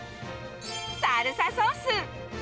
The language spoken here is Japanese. サルサソース。